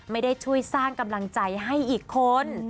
ไม่ได้ช่วยสร้างกำลังใจให้อีกคน